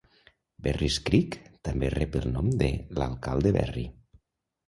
Berrys Creek també rep el nom de l'alcalde Berry.